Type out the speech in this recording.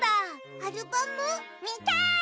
アルバム？みたい！